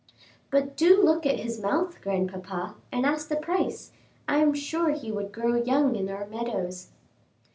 "But do look at his mouth, grandpapa, and ask the price; I am sure he would grow young in our meadows."